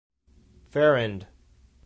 Farrand.